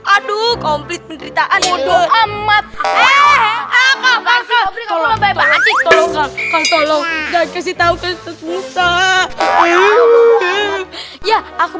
aduh komplit penderitaan ibu doang matahari tolong tolong dan kasih tahu kasih ya aku